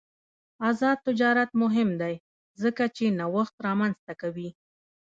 آزاد تجارت مهم دی ځکه چې نوښت رامنځته کوي.